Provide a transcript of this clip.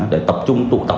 để tập trung tụ tập